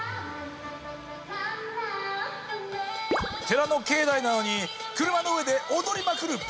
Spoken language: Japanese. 寺の境内なのに車の上で踊りまくるポール